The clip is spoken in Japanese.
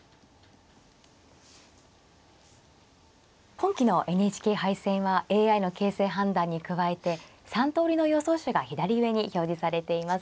今期のＮＨＫ杯戦はＡＩの形勢判断に加えて３通りの予想手が左上に表示されています。